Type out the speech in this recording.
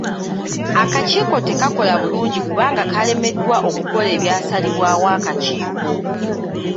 Akakiiko tekakola bulungi kubanga kalemereddwa okukola ebyasalibwawo akakiiko.